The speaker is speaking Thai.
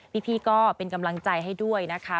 พี่ก็เป็นกำลังใจให้ด้วยนะคะ